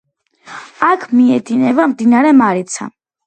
აქ მიედინება მდინარე მარიცა.